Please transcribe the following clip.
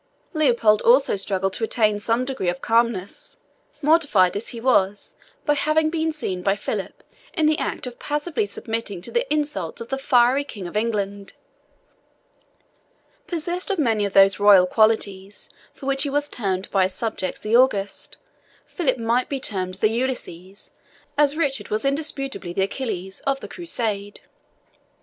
Leopold also struggled to attain some degree of calmness, mortified as he was by having been seen by Philip in the act of passively submitting to the insults of the fiery King of England. Possessed of many of those royal qualities for which he was termed by his subjects the August, Philip might be termed the Ulysses, as Richard was indisputably the Achilles, of the Crusade.